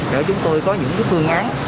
để chúng tôi có những phương án